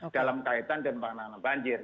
dalam kaitan dengan banjir